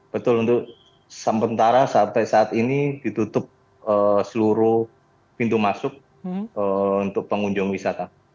betul untuk sementara sampai saat ini ditutup seluruh pintu masuk untuk pengunjung wisata